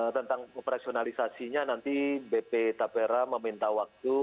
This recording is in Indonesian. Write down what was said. tentang operasionalisasinya nanti bp tapera meminta waktu